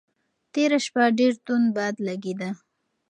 تېره شپه ډېر توند باد لګېده.